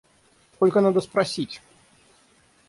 Сколько надо спросить!